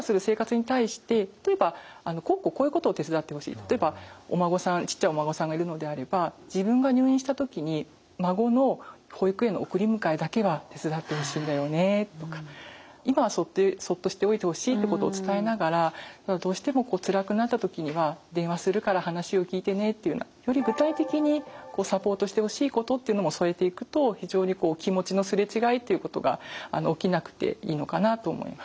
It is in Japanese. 例えばちっちゃいお孫さんがいるのであれば自分が入院した時に孫の保育園の送り迎えだけは手伝ってほしいんだよねとか今はそっとしておいてほしいってことを伝えながらどうしてもつらくなった時には電話するから話を聞いてねっていうようなより具体的にサポートしてほしいことっていうのも添えていくと非常に気持ちの擦れ違いっていうことが起きなくていいのかなと思います。